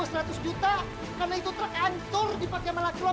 satu satunya kenang kenangan dari ayah siang